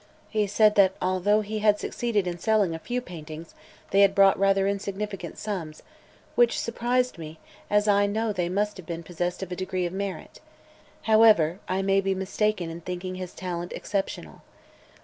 He said that although he had succeeded in selling a few paintings they had brought rather insignificant sums which surprised me, as I know they must have possessed a degree of merit. However, I may be mistaken in thinking his talent exceptional.